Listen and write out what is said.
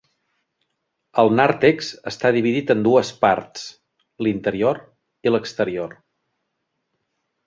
El nàrtex està dividit en dues parts: l'interior i l'exterior.